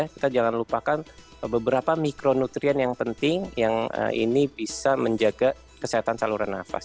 kita jangan lupakan beberapa mikronutrien yang penting yang ini bisa menjaga kesehatan saluran nafas